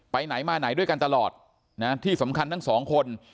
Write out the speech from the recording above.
ไปไหนมาไหนด้วยกันตลอดนะที่สำคัญทั้งสองคน